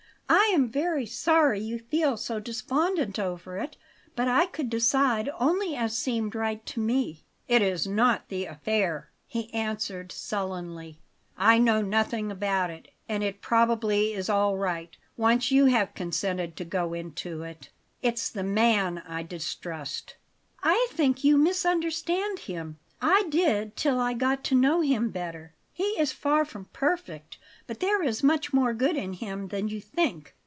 "I am very sorry you feel so despondent over it; but I could decide only as seemed right to me." "It is not the affair," he answered, sullenly; "I know nothing about it, and it probably is all right, once you have consented to go into it. It's the MAN I distrust." "I think you misunderstand him; I did till I got to know him better. He is far from perfect, but there is much more good in him than you think."